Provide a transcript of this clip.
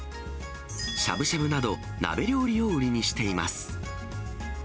しゃぶしゃぶなど、鍋料理を売りにしています。